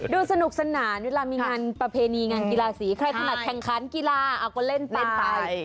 ดูสนุกสนานเวลามีมามีกิลาศีใครขนาดแข่งขันกีฬาเล่นไป